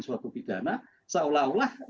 maka dia merasa senyum dan merasa happy